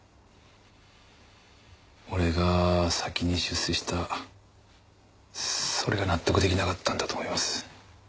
俺が先に出世したそれが納得出来なかったんだと思います。